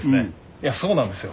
いやそうなんですよ。